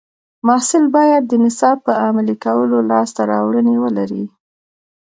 محصل باید د نصاب په عملي کولو لاسته راوړنې ولري.